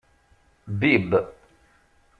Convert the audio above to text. Bibb.